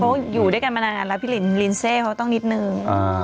เขาอยู่ด้วยกันมานานแล้วพี่ลินลินเซเขาต้องนิดนึง